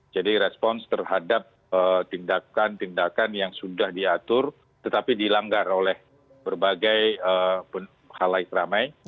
jadi respons terhadap tindakan tindakan yang sudah diatur tetapi dilanggar oleh berbagai halai teramai